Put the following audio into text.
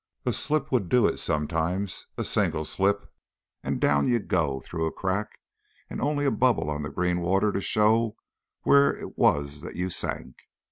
A slip would do it sometimes a single slip, and down you go through a crack, and only a bubble on the green water to show where it was that you sank.